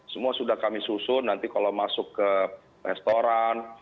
semua sudah kami susun nanti kalau masuk ke restoran